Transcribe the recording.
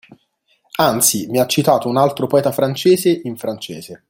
Anzi, mi ha citato un altro poeta francese, in francese